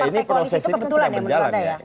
ini proses ini kan sedang berjalan ya